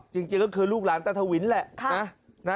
จริงก็คือลูกหลานตาทวินแหละ